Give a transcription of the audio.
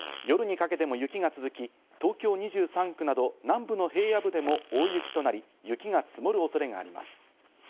夜にかけても雪が続き、東京２３区など南部の平野部でも大雪となり、雪が積もる恐れがあります。